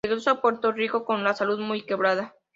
Regresó a Puerto Rico con la salud muy quebrada.